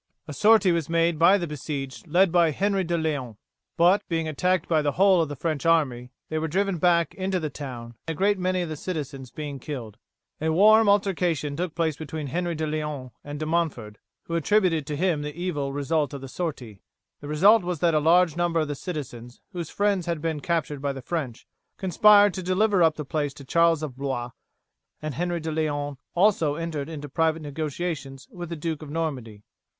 A sortie was made by the besieged, led by Henry de Leon, but, being attacked by the whole of the French army, they were driven back into the town, a great many of the citizens being killed. A warm altercation took place between Henry de Leon and De Montford, who attributed to him the evil result of the sortie. The result was that a large number of the citizens whose friends had been captured by the French conspired to deliver up the place to Charles of Blois, and Henry de Leon also entered into private negotiations with the Duke of Normandy.